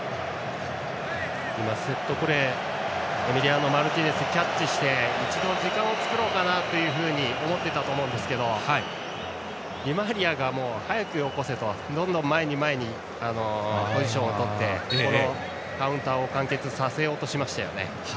セットプレーエミリアーノ・マルティネスキャッチして一度、時間を作ろうかと思っていたと思いますがディマリアが早くよこせと前に前にポジションをとってカウンターを完結させようとしましたね。